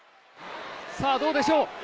さあどうでしょう？